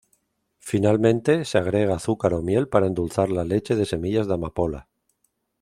Finalmente se agrega azúcar o miel para endulzar la leche de semillas de amapola.